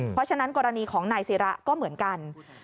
เพราะฉะนั้นกรณีของนายศิระก็เหมือนกัน